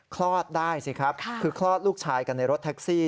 คลอดได้สิครับคือคลอดลูกชายกันในรถแท็กซี่